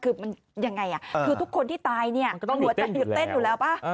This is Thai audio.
คือมันอย่างไรคือทุกคนที่ตายหัวใจหยุดเต้นอยู่แล้ว